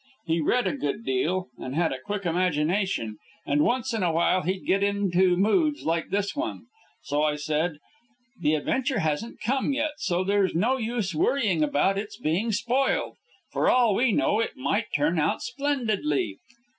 He read a good deal, and had a quick imagination, and once in a while he'd get into moods like this one. So I said, "The adventure hasn't come yet, so there's no use worrying about its being spoiled. For all we know, it might turn out splendidly."